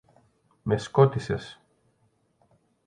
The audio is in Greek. Με σκότισες!